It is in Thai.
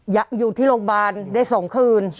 อยู่ที่โรงพยาบาลได้๒คืน